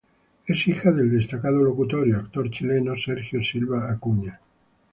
Es hija del destacado locutor y actor chileno Sergio Silva Acuña.